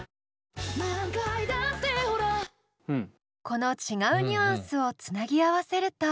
この違うニュアンスをつなぎ合わせると。